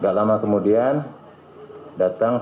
nggak lama kemudian datang pak ki planzen